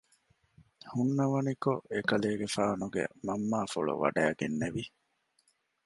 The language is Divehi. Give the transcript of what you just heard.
ހުންނަވަނިކޮށް އެކަލޭގެފާނުގެ މަންމާފުޅު ވަޑައިގެންނެވި